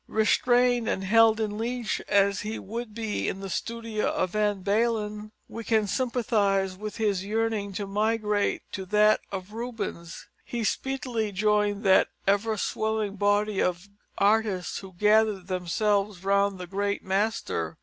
Restrained and held in leash as he would be in the studio of Van Balen, we can sympathise with his yearning to migrate to that of Rubens. He speedily joined that ever swelling body of artists who gathered themselves round the great master.